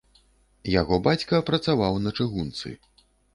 Яго бацька працаваў на чыгунцы.